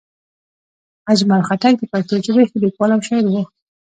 اجمل خټک د پښتو ژبې ښه لیکوال او شاعر وو